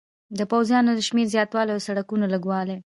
د پوځیانو د شمېر زیاتوالی او د سړکونو لږوالی.